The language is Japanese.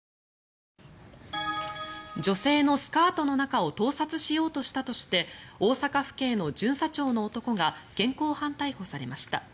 女性のスカートの中を盗撮しようとしたとして大阪府警の巡査長の男が現行犯逮捕されました。